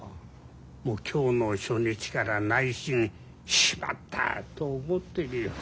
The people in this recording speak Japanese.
今日の初日から内心しまったと思ってるよ。